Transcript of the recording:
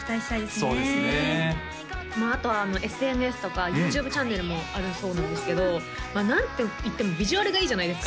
そうですねまああとはＳＮＳとかＹｏｕＴｕｂｅチャンネルもあるそうなんですけどまあ何と言ってもビジュアルがいいじゃないですか？